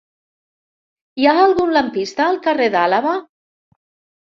Hi ha algun lampista al carrer d'Àlaba?